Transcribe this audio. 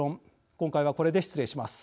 今回はこれで失礼します。